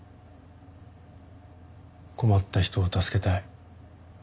困った人を助けたい。